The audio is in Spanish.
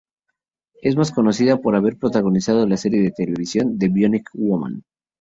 Es más conocida por haber protagonizado la serie de televisión "The Bionic Woman".